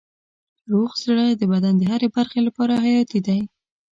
روغ زړه د بدن د هرې برخې لپاره حیاتي دی.